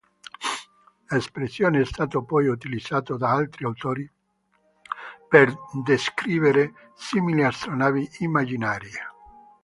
L'espressione è stato poi utilizzato da altri autori per descrivere simili astronavi immaginarie.